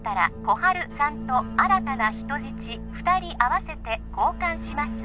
小春さんと新たな人質２人合わせて交換します